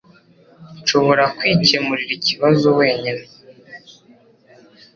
Nshobora kwikemurira ikibazo wenyine